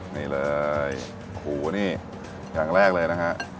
นี่เลยหูนี่อย่างแรกเลยนะฮะ